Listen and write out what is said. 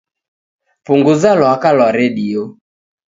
Punguza lwaka lwa redio